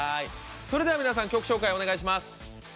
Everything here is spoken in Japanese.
それでは、皆さん曲紹介お願いします。